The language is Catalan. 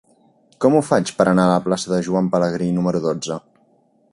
Com ho faig per anar a la plaça de Joan Pelegrí número dotze?